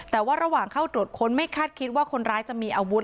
แต่ว่าระหว่างเข้าตรวจค้นไม่คาดคิดว่าคนร้ายจะมีอาวุธ